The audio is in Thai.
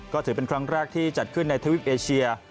ก็ถือเป็นครั้งแรกที่จัดขึ้นในทวิปเอเชีย